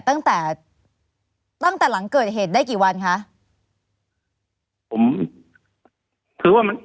ตั้งแต่ตั้งแต่หลังเกิดเหตุได้กี่วันคะผมถือว่ามัน